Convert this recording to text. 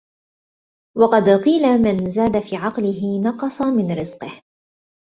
وَقَدْ قِيلَ مَنْ زَادَ فِي عَقْلِهِ نَقَصَ مِنْ رِزْقِهِ